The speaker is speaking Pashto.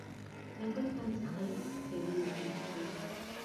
له بل تن څخه یې څېړنې پیل کړې.